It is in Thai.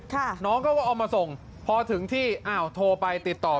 เนอน้องก็เอามาส่งพอถึงที่โทรไปติดต่อไม่ได้เลย